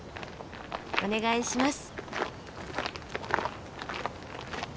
お願いします。